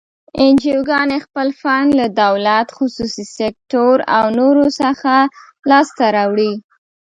انجوګانې خپل فنډ له دولت، خصوصي سکتور او نورو څخه لاس ته راوړي.